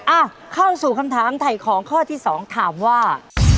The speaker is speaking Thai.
อ่ะเข้าสู่คำถามถ่ายของข้อที่สองถามว่า